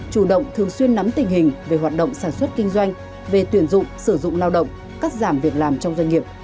chủ động thường xuyên nắm tình hình về hoạt động sản xuất kinh doanh về tuyển dụng sử dụng lao động cắt giảm việc làm trong doanh nghiệp